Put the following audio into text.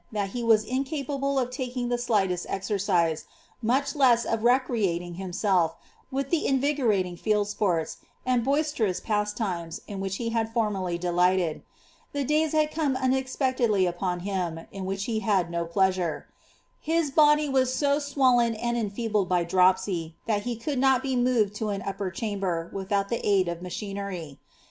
thai he wm iMipable of taking the slightest exercise, much less of recreating him *rif with the iniigoiating field sports, and boisterous pastimes, in which It had formerly delighted. The days had corae iineipeciedty upon kin, in which lie had iio pleasure. His body was so swollen and en abled by dropsy, that he could not be moved to an upper ehambei, viihuut llie aid of machinery.